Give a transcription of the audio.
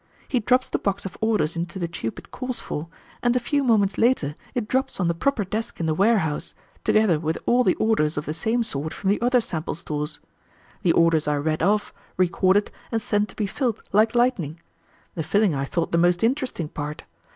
He drops the box of orders into the tube it calls for, and in a few moments later it drops on the proper desk in the warehouse, together with all the orders of the same sort from the other sample stores. The orders are read off, recorded, and sent to be filled, like lightning. The filling I thought the most interesting part.